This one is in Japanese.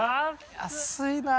安いなぁ。